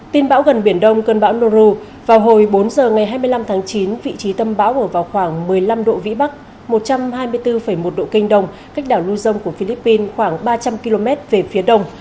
tin bão gần biển đông cơn bão noru vào hồi bốn giờ ngày hai mươi năm tháng chín vị trí tâm bão ở vào khoảng một mươi năm độ vĩ bắc một trăm hai mươi bốn một độ kinh đông cách đảo luzon của philippines khoảng ba trăm linh km về phía đông